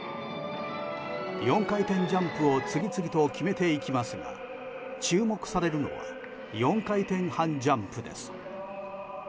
４回転ジャンプを次々と決めていきますが注目されるのは４回転半ジャンプです。